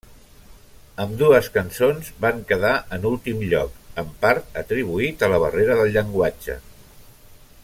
Ambdues cançons van quedar en últim lloc, en part atribuït a la barrera del llenguatge.